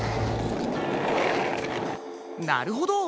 なるほど。